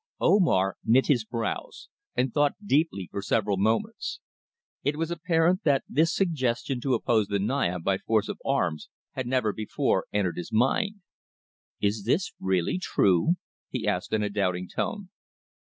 Omar knit his brows, and thought deeply for several moments. It was apparent that this suggestion to oppose the Naya by force of arms had never before entered his mind. "Is this really true?" he asked in a doubting tone.